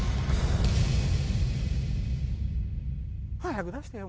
早く出してよ。